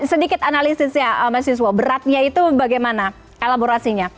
oh sedikit analisisnya mas siswo beratnya itu bagaimana kalaborasinya